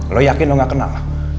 lo yakin lo gak kenal lah